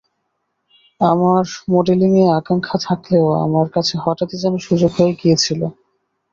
আমার মডেলিংয়ে আকাঙ্ক্ষা থাকলেও আমার কাছে হঠাত্ই যেন সুযোগ হয়ে গিয়েছিল।